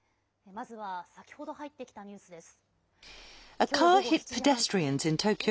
まずは先ほど入ってきたニュースです。